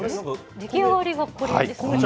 出来上がりがこれですか？